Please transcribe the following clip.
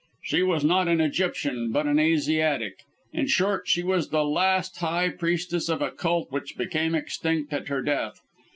She was not an Egyptian, but an Asiatic. In short, she was the last high priestess of a cult which became extinct at her death.